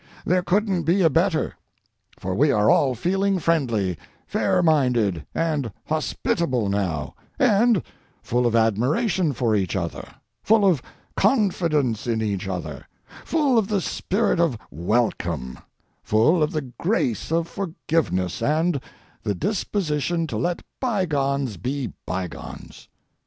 There couldn't be a better, for we are all feeling friendly, fair minded, and hospitable now, and, full of admiration for each other, full of confidence in each other, full of the spirit of welcome, full of the grace of forgiveness, and the disposition to let bygones be bygones.